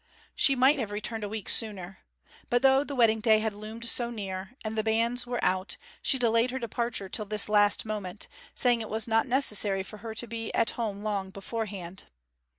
She might have returned a week sooner. But though the wedding day had loomed so near, and the banns were out, she delayed her departure till this last moment, saying it was not necessary for her to be at home long beforehand.